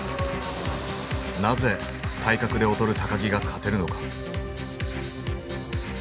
なぜ体格で劣る木が勝てるのか。